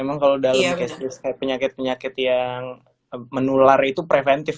memang kalo dalam case case kayak penyakit penyakit yang menular itu preventif